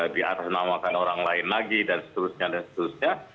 diatasnamakan orang lain lagi dan seterusnya dan seterusnya